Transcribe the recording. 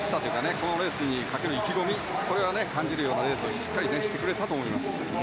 このレースにかける意気込みを感じるようなレースをしっかりしてくれたと思います。